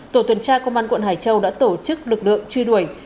tổ tuần tra công an quận hải châu đã tổ chức lực lượng truy đuổi